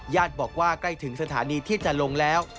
บอกว่าใกล้ถึงสถานีที่จะลงแล้ว